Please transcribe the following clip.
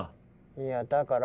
いやだから。